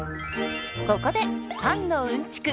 ここでパンのうんちく